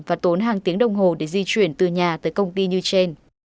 và tốn hàng tiếng đồng hồ để di chuyển từ nhà tới công ty như trên